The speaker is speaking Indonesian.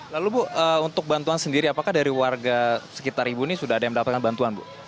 lalu bu untuk bantuan sendiri apakah dari warga sekitar ibu ini sudah ada yang mendapatkan bantuan bu